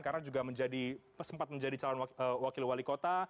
karena juga sempat menjadi calon wakil wali kota